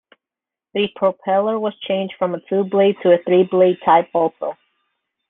The propeller was changed from a two-blade to three-blade type also.